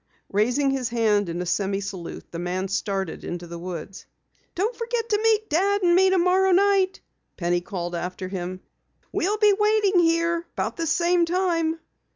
Raising his hand in a semi salute, the man started into the woods. "Don't forget to meet Dad and me tomorrow night," Penny called after him. "We'll be waiting here about this same time."